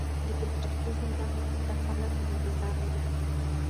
د پلچرخي زندان مخې ته خلک انتظار وو.